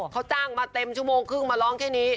เขาจ้างมาเต็มชั่วโมงครึ่งมาร้องแค่นี้